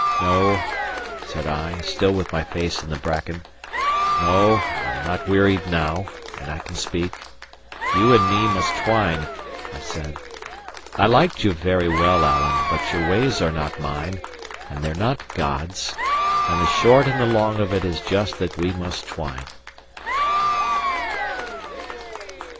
"No," said I, still with my face in the bracken; "no, I am not wearied now, and I can speak. You and me must twine," * I said. "I liked you very well, Alan, but your ways are not mine, and they're not God's: and the short and the long of it is just that we must twine."